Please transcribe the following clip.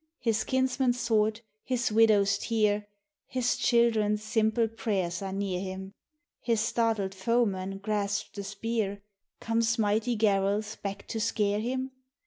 His kinsman's sword, his widow's tear, His children's simple prayers are near him. His startled foeman grasps the spear — Comes mighty Garalth back to scare him